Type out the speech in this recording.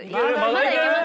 まだいけます。